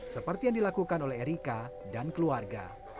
seperti yang dilakukan oleh erika dan keluarga